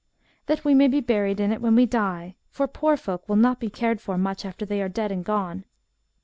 ' That we may be buried in it when we die, for poor folk will not be cared for much after they, are dead and gone.'